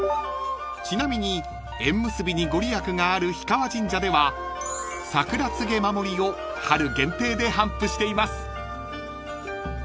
［ちなみに縁結びに御利益がある氷川神社では桜つげ守を春限定で頒布しています］